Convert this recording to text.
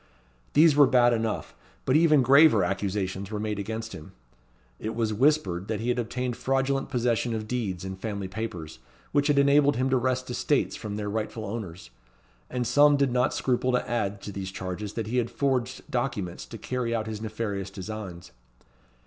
These were bad enough, but even graver accusations were made against him. It was whispered that he had obtained fraudulent possession of deeds and family papers, which had enabled him to wrest estates from their rightful owners; and some did not scruple to add to these charges that he had forged documents to carry out his nefarious designs.